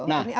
nah itu ya